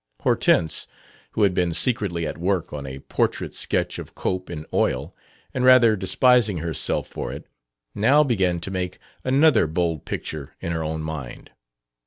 Hortense, who had been secretly at work on a portrait sketch of Cope in oil, and rather despising herself for it, now began to make another bold picture in her own mind.